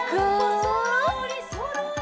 「そろーりそろり」